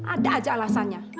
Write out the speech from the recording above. ada aja alasannya